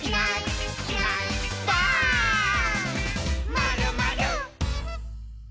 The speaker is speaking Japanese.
「まるまる」